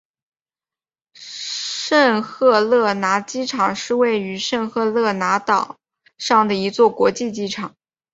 圣赫勒拿机场是位于圣赫勒拿岛上的一座国际机场。